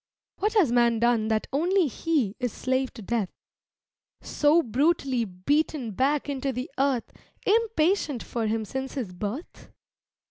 What has man done that only he Is slave to death so brutally Beaten back into the earth Impatient for him since his birth?